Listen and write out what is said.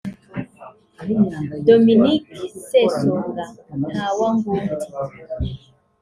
Dominic Sesonga Ntawangundi